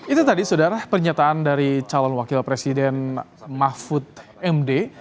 itu tadi saudara pernyataan dari calon wakil presiden mahfud md